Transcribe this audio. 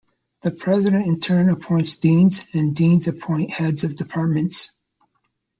The president in turn appoints deans, and deans appoint heads of departments.